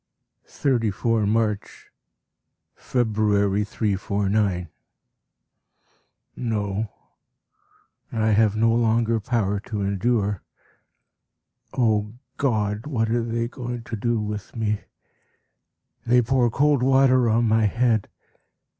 34 March. February, 349. No, I have no longer power to endure. O God! what are they going to do with me? They pour cold water on my head.